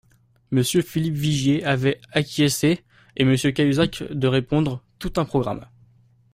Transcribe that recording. Monsieur Philippe Vigier avait acquiescé, et Monsieur Cahuzac de répondre :« Tout un programme ».